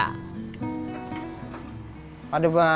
namun jumlah itu baru bisa ia ambil